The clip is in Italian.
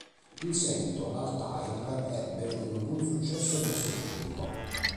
In seguito, l'Altair ebbe un buon successo presso il pubblico.